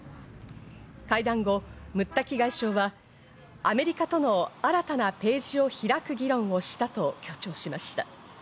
会談後、ムッタキ外相はアメリカとの新たなページを開く議論をしたと強調しました。